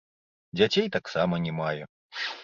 Дзяцей таксама не мае.